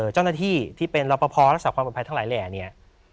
เจ้าหน้าที่ที่เป็นรอปภรักษาความปลอดภัยทั้งหลายแหล่เนี่ย